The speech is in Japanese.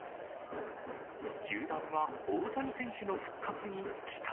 球団は大谷選手の復活に期待